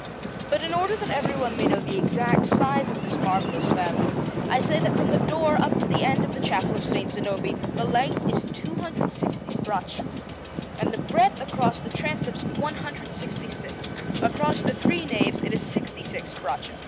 But in order that everyone may know the exact size of this marvellous fabric, I say that from the door up to the end of the Chapel of S. Zanobi the length is 260 braccia, and the breadth across the transepts 166; across the three naves it is 66 braccia.